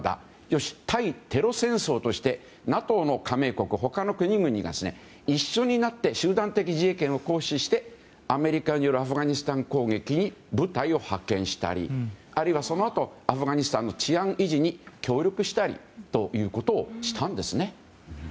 よし対テロ戦争としてＮＡＴＯの加盟国、他の国々が一緒になって集団的自衛権を行使してアメリカによるアフガニスタン攻撃に部隊を派遣したりあるいは、そのあとアフガニスタンの治安維持に協力したりということをしたんですね。